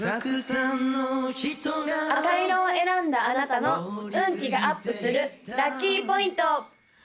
赤色を選んだあなたの運気がアップするラッキーポイント！